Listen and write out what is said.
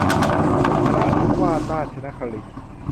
นราธิวาสราชนครินทร์